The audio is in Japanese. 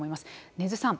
禰津さん。